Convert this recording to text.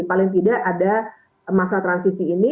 paling tidak ada masa transisi ini